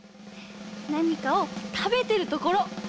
なにかをたべてるところ。